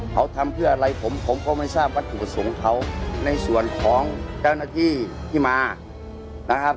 เขาทำเพื่ออะไรผมผมก็ไม่ทราบวัตถุประสงค์เขาในส่วนของเจ้าหน้าที่ที่มานะครับ